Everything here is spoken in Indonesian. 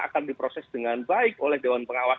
akan diproses dengan baik oleh dewan pengawas